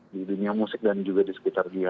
di dunia musik dan juga di sekitar dia